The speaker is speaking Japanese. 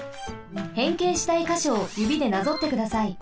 へんけいしたいかしょをゆびでなぞってください。